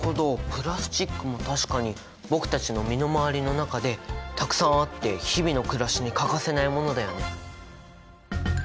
プラスチックも確かに僕たちの身の回りの中でたくさんあって日々のくらしに欠かせないものだよね。